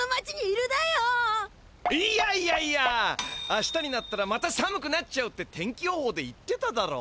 明日になったらまた寒くなっちゃうって天気よほうで言ってただろ。